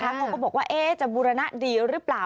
เขาก็บอกว่าจะบูรณะดีหรือเปล่า